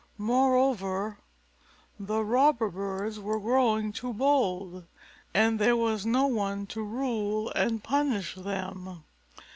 Moreover, the robber birds were growing too bold, and there was no one to rule and punish them.